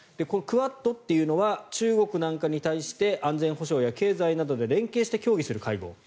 このクアッドは中国なんかに対して安全保障や経済などで連携して協議する会合。